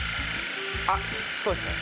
あっそうですね。